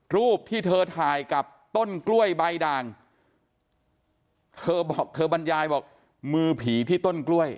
รูปที่เธอถ่ายกับต้นกล้วยใบด่างเธอบอกเธอบรรยายบอกมือผีที่ต้นกล้วย